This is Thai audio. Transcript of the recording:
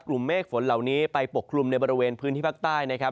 เมฆฝนเหล่านี้ไปปกคลุมในบริเวณพื้นที่ภาคใต้นะครับ